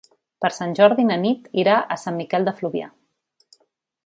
Per Sant Jordi na Nit irà a Sant Miquel de Fluvià.